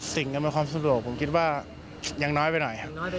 อำนวยความสะดวกผมคิดว่ายังน้อยไปหน่อย